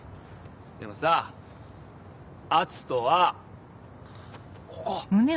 でもさ篤斗はここ！